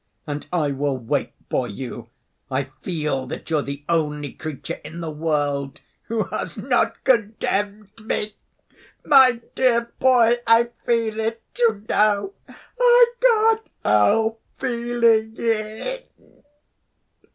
And I will wait for you. I feel that you're the only creature in the world who has not condemned me. My dear boy, I feel it, you know. I can't help feeling it."